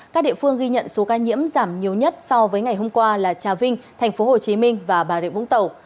các địa phương ghi nhận số ca nhiễm giảm nhiều nhất so với ngày hôm qua là trà vinh tp hcm và bà rịa vũng tàu